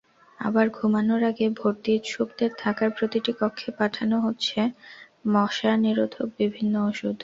আবার ঘুমানোর আগে ভর্তি-ইচ্ছুকদের থাকার প্রতিটি কক্ষে পাঠানো হচ্ছে মশানিরোধক বিভিন্ন ওষুধ।